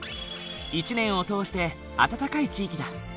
一年を通して暖かい地域だ。